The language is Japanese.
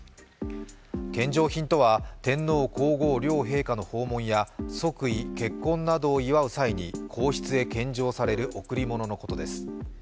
献上品とは天皇皇后両陛下の訪問や即位・結婚などを祝う際に皇室へ献上される贈り物のことです。